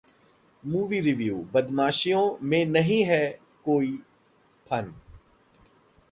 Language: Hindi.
Movie Review: बदमाशियां में नहीं है कोई 'फन'